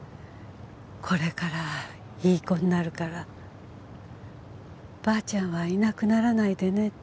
「これからいい子になるからばあちゃんはいなくならないでね」